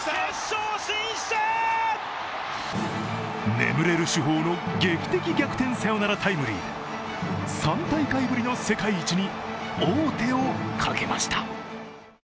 眠れる主砲の劇的逆転サヨナラタイムリーで３大会ぶりの世界一に王手をかけました。